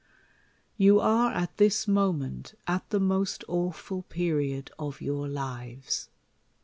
You are at this moment at the most awful period of your lives.